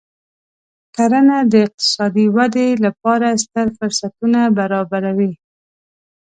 کرنه د اقتصادي ودې لپاره ستر فرصتونه برابروي.